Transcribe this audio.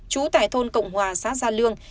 chú tại thôn cộng hòa xã gia lương